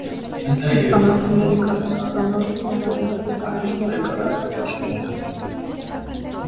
Իսպանացիների կառուցած ամրոցն ներառել է բրիտանացիների կառուցած աշտարակը։